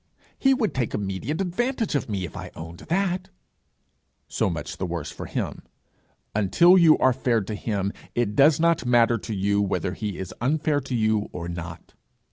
'He would take immediate advantage of me if I owned that.' 'So much the worse for him. Until you are fair to him, it does not matter to you whether he is unfair to you or not.'